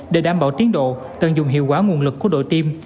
để đảm bảo tiến độ tận dụng hiệu quả nguồn lực của đội tim